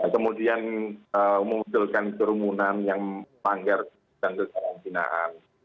kemudian mengusulkan kerumunan yang panggir dan kesalahan kinaan